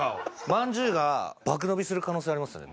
まんじゅうが爆伸びする可能性ありますよね。